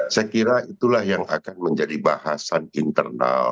saya kira itulah yang akan menjadi bahasan internal